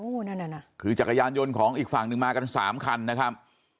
โอ้โหนั่นคือจักรยานยนต์ของอีกฝั่งนึงมากัน๓คันนะครับ